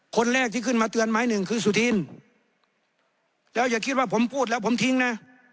คนแรกที่ขึ้นมาเตือนไม้หนึ่งคือสุธินแล้วอย่าคิดว่าผมพูดแล้วผมทิ้งนะ